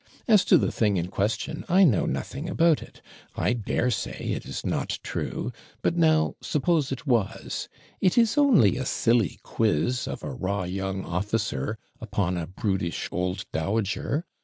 As to the thing in question, I know nothing about it: I dare say, it is not true; but, now, suppose it was it is only a silly QUIZ, of a raw young officer, upon a prudish old dowager.